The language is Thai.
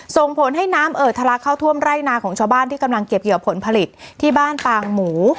ส่งผลให้น้ำเอ่อทะลักเข้าท่วมไร่นาของชาวบ้านที่กำลังเก็บเหยื่อผลผลิตที่บ้านปางหมู